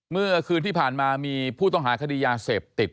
เมื่อคืนที่ผ่านมามีผู้ต้องหาคดียาเสพติด